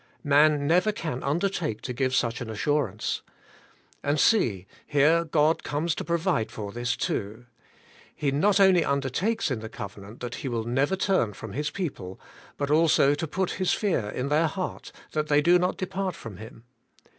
Man never can undertake to give such an assurance. And see, here God comes to provide for this too. He not only undertakes in the covenant that He will never turn from His people, but also to put His fear in their heart, that they do not depart from Him.